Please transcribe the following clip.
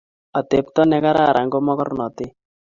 Atebto ne kararan ko magornotet